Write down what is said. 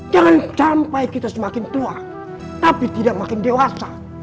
jangan sampai kita semakin tua tapi tidak makin dewasa